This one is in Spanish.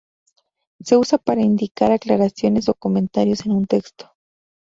Se usa para indicar aclaraciones o comentarios en un texto.